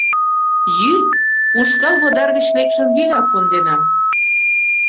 — Йӱ, ушкал водар гыч лекшым вигак конденам.